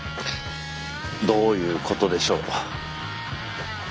どういうことでしょう。